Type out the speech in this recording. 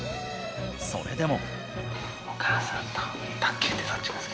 それでも。